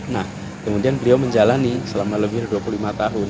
nah kemudian beliau menjalani selama lebih dari dua puluh lima tahun